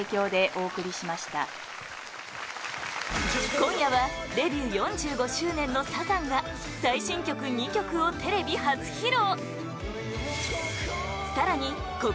今夜はデビュー４５周年のサザンが最新曲２曲をテレビ初披露！